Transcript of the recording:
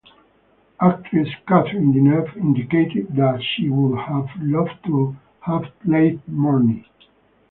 Actress Catherine Deneuve indicated that she would have loved to have played Marnie.